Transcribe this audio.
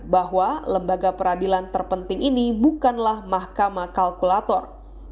bahwa lembaga peradilan terpenting ini bukanlah mahkamah kalkulator